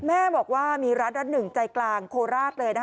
แม่บอกว่ามีร้านร้านหนึ่งใจกลางโคราชเลยนะคะ